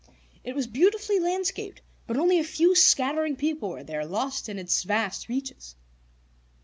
It was beautifully landscaped, but only a few scattering people were there, lost in its vast reaches.